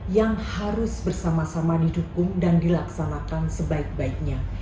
yang harus bersama sama didukung dan dilaksanakan sebaik baiknya